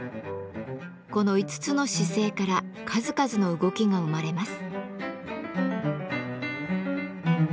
この５つの姿勢から数々の動きが生まれます。